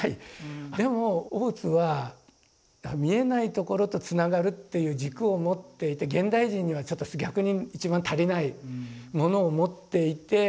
でも大津は見えないところとつながるっていう軸を持っていて現代人にはちょっと逆に一番足りないものを持っていて。